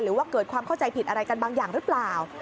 หรือว่าเกิดความเข้าใจผิดอะไรกันบางอย่างหรือเปล่า